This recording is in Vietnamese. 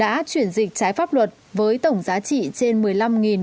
đã chuyển dịch trái pháp luật với tổng giá trị trên một mươi năm bảy trăm linh tỷ đồng